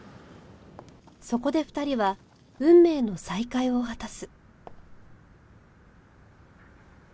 そこで２人は運命の再会を果たす